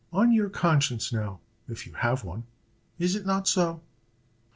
"On your conscience, now, (if you have one,) is it not so?"